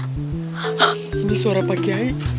hah ini suara pak giai